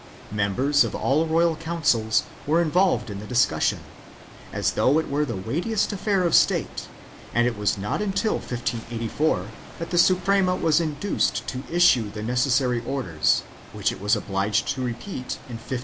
Members of all the Royal Councils were involved in the discussion, as though it were the weightiest affair of state and it was not until 1584 that the Suprema was induced to issue the necessary orders, which it was obliged to repeat in 1592.